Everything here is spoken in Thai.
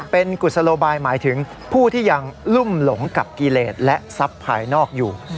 เป็นกุศโลบายหมายถึงผู้ที่ยังลุ่มหลงกับกิเลสและทรัพย์ภายนอกอยู่